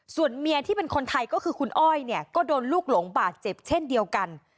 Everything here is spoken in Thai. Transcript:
ส่วนเมียที่เป็นคนไทยก็คือคุณอ้อยเนี่ยก็โดนลูกหลงบาดเจ็บเช่นเดียวกัน